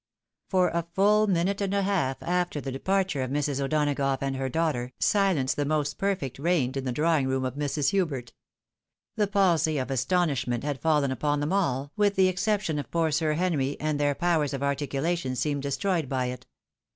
Foe a full minute and a half after the departure of Mrs. O'Dona gough and her daughter, silence the most perfect reigned in the drawing room of Mrs. Hubert. The palsy of astonishment had fallen upon them all, with the exception of poor Sir Henry, and their powers of articulation seemed destroyed by it.